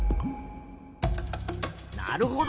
なるほど。